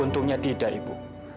untungnya tidak ibu